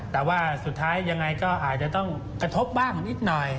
แต่ว่าสุดท้ายยังไงก็อาจจะต้องกระทบบ้างนิดหน่อย